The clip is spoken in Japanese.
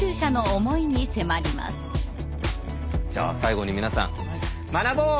じゃあ最後に皆さん学ぼう！